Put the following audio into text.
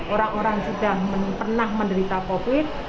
orang orang sudah pernah menderita covid